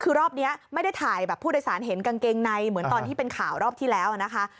คือรอบนี้ไม่ได้ถ่ายแบบผู้โดยสารเห็นกางเกงในเหมือนตอนที่เป็นข่าวรอบที่แล้วนะคะ